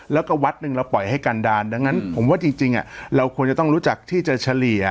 แล้วก็วัดหนึ่งเราปล่อยให้กันดาลดังนั้นผมว่าจริงเราควรจะต้องรู้จักที่จะเฉลี่ย